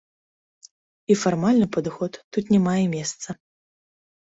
І фармальны падыход тут не мае месца.